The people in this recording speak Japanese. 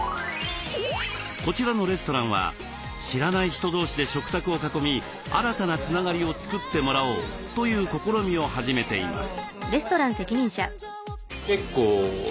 こちらのレストランは知らない人同士で食卓を囲み新たなつながりを作ってもらおうという試みを始めています。